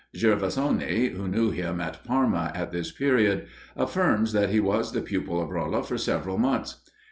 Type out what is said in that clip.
Gervasoni, who knew him at Parma at this period, affirms[C] that he was the pupil of Rolla for several months.